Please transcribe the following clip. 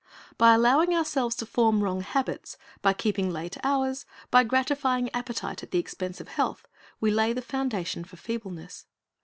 By allowing ourselves to form wrong habits, by keeping late hours, by gratifying appetite at the expense of health, we lay the foundation for feebleness.